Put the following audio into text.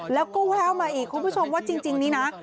แล้วก็แววมาอีกคุณผู้ชมว่าจริงนี้นะ